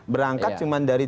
berangkat cuma dari